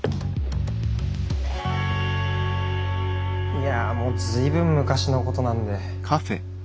いやもう随分昔のことなんで。